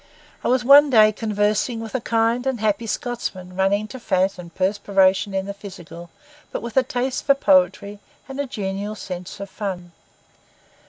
I was, one day conversing with a kind and happy Scotsman, running to fat and perspiration in the physical, but with a taste for poetry and a genial sense of fun.